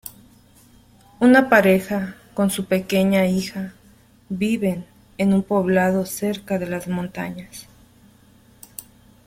Una pareja con su pequeña hija viven en un poblado cerca de las montañas.